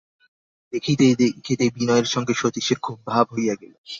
দেখিতে দেখিতে বিনয়ের সঙ্গে সতীশের খুব ভাব হইয়া গেল।